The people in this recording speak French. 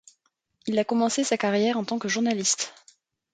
Il a commencé sa carrière en tant que journaliste.